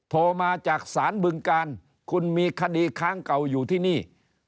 โทรมาจากศาลบึงกาลคุณมีคดีค้างเก่าอยู่ที่นี่